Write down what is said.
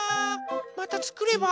またつくれば？